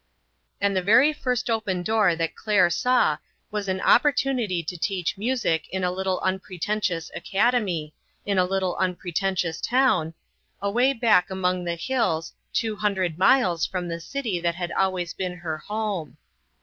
And the very first open door that Claire saw was an opportunity to teach music in a little unpretentious academy, in a little un pretentious town, away back among the hills, two hundred miles from the city that had always been her home.